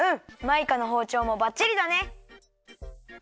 マイカのほうちょうもばっちりだね！